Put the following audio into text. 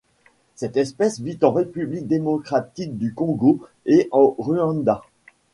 Cette espèce vit en République démocratique du Congo et au Rwanda.